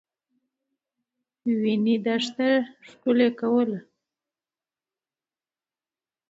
وینې دښته ښکلې کولې.